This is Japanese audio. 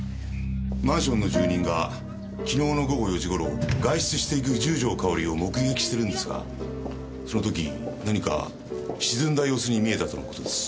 マンションの住人が昨日の午後４時頃外出していく十条かおりを目撃してるんですがその時何か沈んだ様子に見えたとの事です。